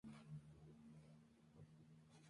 La mayoría de la población es pastún.